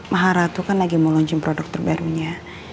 maharatu kan lagi mau loncin produk terbarunya